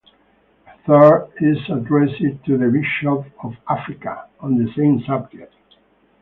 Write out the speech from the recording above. A third is addressed to the bishops of Africa, on the same subject.